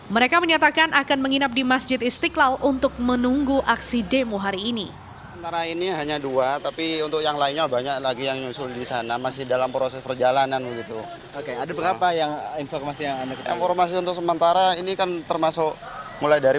mereka menyatakan akan menginap di masjid istiqlal untuk menunggu aksi demo hari ini